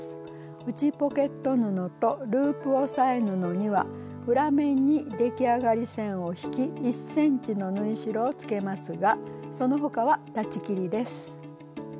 内ポケット布とループ押さえ布には裏面に出来上がり線を引き１ｃｍの縫い代をつけますがその他は裁ち切りです。